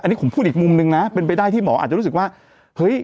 อันนี้ผมพูดอีกมุมนึงนะเป็นไปได้ที่หมออาจจะรู้สึกว่าเฮ้ย